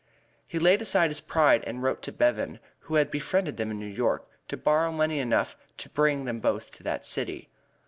He laid aside his pride and wrote to Bevan, who had befriended them in New York, to borrow money enough to bring them both to that city.